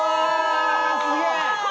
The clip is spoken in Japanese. すげえ！